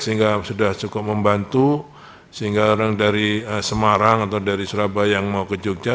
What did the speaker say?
sehingga sudah cukup membantu sehingga orang dari semarang atau dari surabaya yang mau ke jogja